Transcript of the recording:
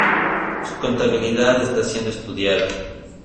Su contabilidad está siendo estudiada.